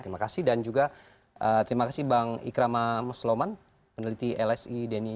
terima kasih dan juga terima kasih bang ikrama musloman peneliti lsi denny